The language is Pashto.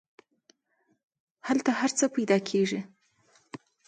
هلته هر څه پیدا کیږي.